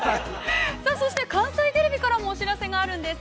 ◆さあ、そして関西テレビからもお知らせがあるんです。